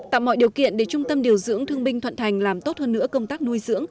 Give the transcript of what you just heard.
tạo mọi điều kiện để trung tâm điều dưỡng thương binh thuận thành làm tốt hơn nữa công tác nuôi dưỡng